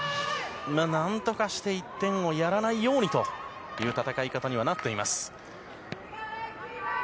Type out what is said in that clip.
何とかして１点をやらないようにという戦い方にはなっています。